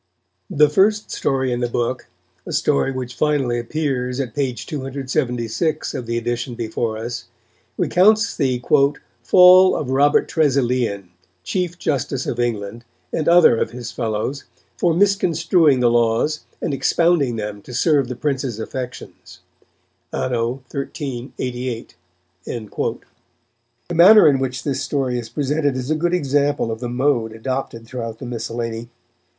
The first story in the book, a story which finally appears at p. 276 of the edition before us, recounts the "Fall of Robert Tresilian, Chief Justice of England, and other of his fellows, for misconstruing the laws and expounding them to serve the Prince's affections, Anno 1388." The manner in which this story is presented is a good example of the mode adopted throughout the miscellany.